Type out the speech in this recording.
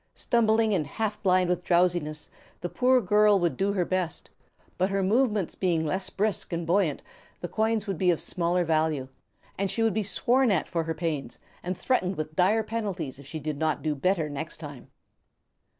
Stumbling and half blind with drowsiness the poor girl would do her best, but her movements being less brisk and buoyant, the coins would be of smaller value, and she would be sworn at for her pains, and threatened with dire penalties if she did not do better next time.